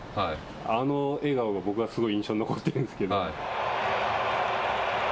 あの笑顔が僕はすごい印象に残っているんですけど。